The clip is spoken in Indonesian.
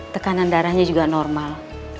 tekanan darahnya juga normal